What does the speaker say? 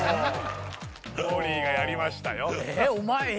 モリーがやりましたよええ？